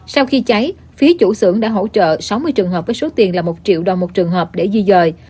sau khi cháy phía chủ sưởng đã hỗ trợ sáu mươi trường hợp với số tiền là một triệu đồng một trường hợp để di dời